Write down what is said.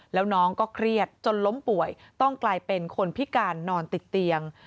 แล้วน้องก็เครียดจนล้มป่วยต้องกลายเป็นคนพิการนอนติดเตียง